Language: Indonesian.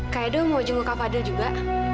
kak edo mau jenguk kak fadil juga